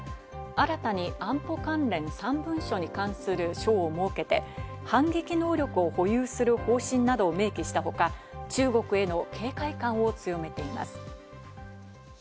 新たに安保関連３文書に関する章を設けて、反撃能力を保有する方針などを明記した他、中国への警戒感を強めています。